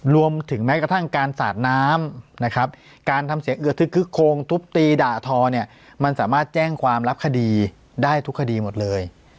รวมถึงแม้กระทั่งการสาดน้ำนะครับการทำเสียงเอือทึกคึกโคงทุบตีด่าทอเนี่ยมันสามารถแจ้งความรับคดีได้ทุกคดีหมดเลย